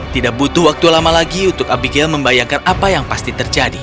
tidak butuh waktu lama lagi untuk abigail membayangkan apa yang pasti terjadi